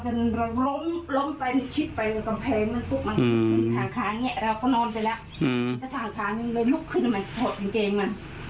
ถ่างนี่เราก็นอนไปละ